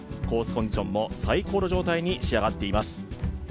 コンディションも最高の状態に仕上がっています。